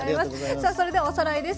さあそれではおさらいです。